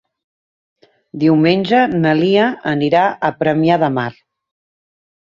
Diumenge na Lia anirà a Premià de Mar.